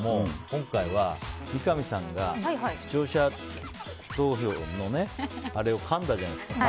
今回は三上さんが視聴者投票のあれをかんだじゃないですか。